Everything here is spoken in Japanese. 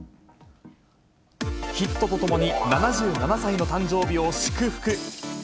ヒットとともに、７７歳の誕生日を祝福。